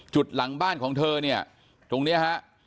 หลังบ้านของเธอเนี่ยตรงนี้ฮะ